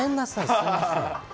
すみません。